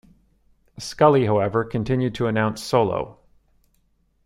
Scully, however, continued to announce solo.